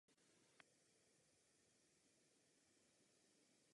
Leží na severozápadě Bulharska u hranic se Srbskem.